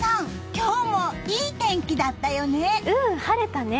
今日もいい天気だったよね！